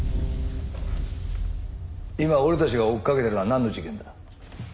今俺たちが追いかけてるのはなんの事件だ？